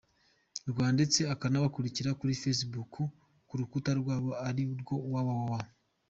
rw ndetse ukanabakurikira kuri Facebook ku rukuta rwabo arirwo www.